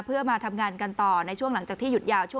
เพื่อมาทำงานกันต่อในช่วงหลังจากที่หยุดยาวช่วง